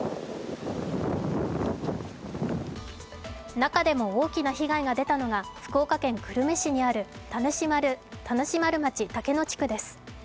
中でも大きな被害が出たのが福岡県久留米市にある田主丸町竹野地区です。